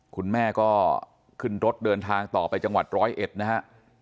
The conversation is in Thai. คุณแม่ก็ขึ้นรถเดินทางต่อไปจังหวัดร้อยเอ็ดนะฮะ